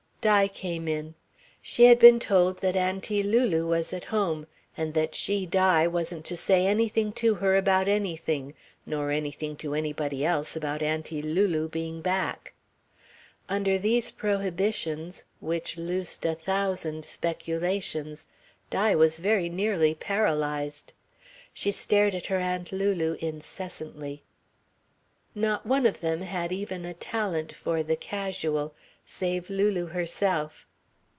Di came in. She had been told that Auntie Lulu was at home, and that she, Di, wasn't to say anything to her about anything, nor anything to anybody else about Auntie Lulu being back. Under these prohibitions, which loosed a thousand speculations, Di was very nearly paralysed. She stared at her Aunt Lulu incessantly. Not one of them had even a talent for the casual, save Lulu herself.